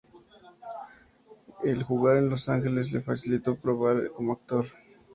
El jugar en Los Ángeles le facilitó el probar como actor.